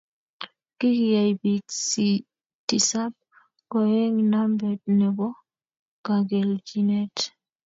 Kigiyay biik tisap koeg nambet nebo kageljinet